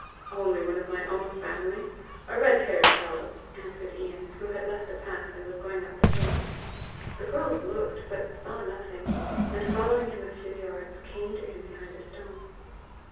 "Only one of my own family a red haired fellow!" answered Ian, who had left the path, and was going up the hill. The girls looked, but saw nothing, and following him a few yards, came to him behind a stone.